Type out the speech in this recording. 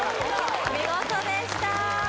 お見事でした